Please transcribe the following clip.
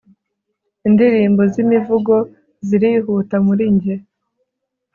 indirimbo z'imivugo zirihuta muri njye